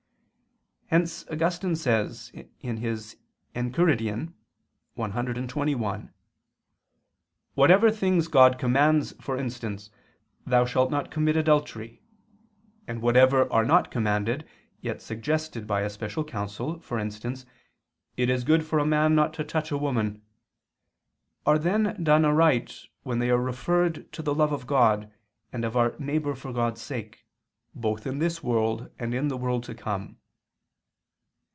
Hence Augustine says (Enchiridion cxxi): "Whatever things God commands, for instance, 'Thou shalt not commit adultery,' and whatever are not commanded, yet suggested by a special counsel, for instance, 'It is good for a man not to touch a woman,' are then done aright when they are referred to the love of God, and of our neighbor for God's sake, both in this world and in the world to come."